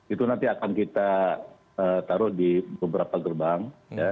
itu nanti akan kita taruh di beberapa gerbang